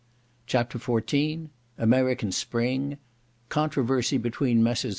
CHAPTER XIV American Spring—Controversy between Messrs.